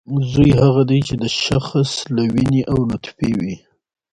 زوی هغه دی چې د شخص له وینې او نطفې وي